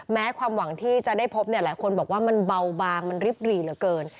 ความหวังที่จะได้พบเนี่ยหลายคนบอกว่ามันเบาบางมันริบหรี่เหลือเกิน